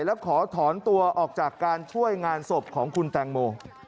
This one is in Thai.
แล้วขอถอนตัวออกจากการช่วยงานศพของคุณแตงโม